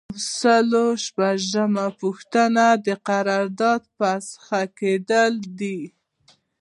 یو سل او شپږمه پوښتنه د قرارداد فسخه کیدل دي.